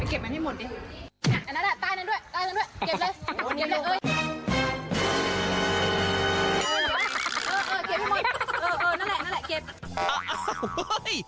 เออเก็บให้หมดเออนั่นแหละเก็บ